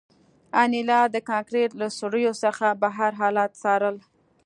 انیلا د کانکریټ له سوریو څخه بهر حالات څارل